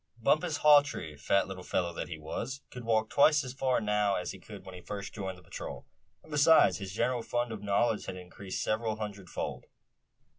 Bumpus Hawtree, fat little fellow that he was, could walk twice as far now as when he first joined the patrol; and besides, his general fund of knowledge had increased several hundred fold.